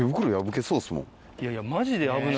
いやいや、まじで危ない。